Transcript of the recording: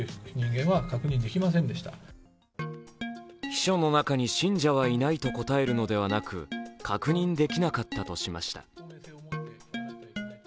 秘書の中に「信者はいない」と答えるのではなく確認できなかったとしました。